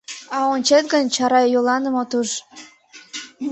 А ончет гын, чарайоланым от уж.